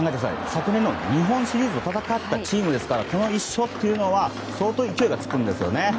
昨年の日本シリーズで戦ったチームですからこの１勝は相当勢いがつくんです。